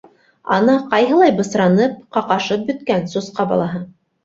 Ана, ҡайһылай бысранып, ҡаҡашып бөткән, сусҡа балаһы.